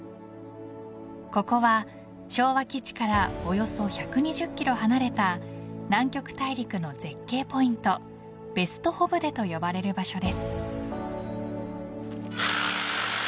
ここは、昭和基地からおよそ１２０キロ離れた南極大陸の絶景ポイントベストホブデと呼ばれる場所です。